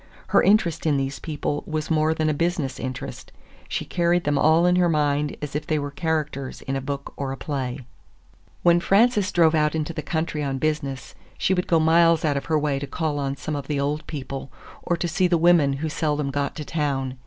Her interest in these people was more than a business interest. She carried them all in her mind as if they were characters in a book or a play. When Frances drove out into the country on business, she would go miles out of her way to call on some of the old people, or to see the women who seldom got to town.